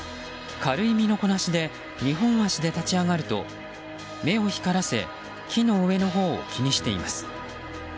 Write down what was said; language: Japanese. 軽い身のこなしで２本足で立ち上がると目を光らせ、木の上のほうを気にしています。